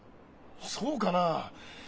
そうかな？